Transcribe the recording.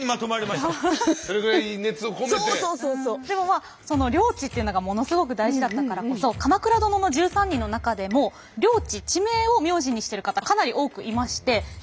でもまあ領地っていうのがものすごく大事だったからこそ「鎌倉殿の１３人」の中でも領地地名を名字にしてる方かなり多くいまして。